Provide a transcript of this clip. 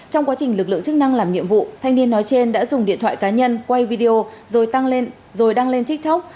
trong quá trình lực lượng chức năng làm nhiệm vụ thanh niên nói trên đã dùng điện thoại cá nhân quay video rồi tăng lên rồi đăng lên tiktok